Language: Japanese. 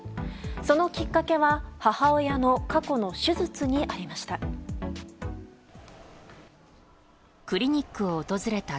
そのきっかけは母親の過去の手術にありました。